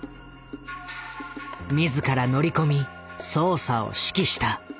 自ら乗り込み捜査を指揮した。